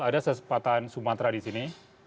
ada kesempatan sumatera di sini